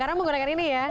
karena menggunakan ini ya